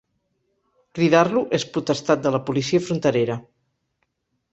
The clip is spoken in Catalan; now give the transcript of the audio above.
Cridar-lo és potestat de la policia fronterera.